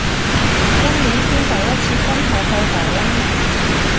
今年先第一次真係去荷蘭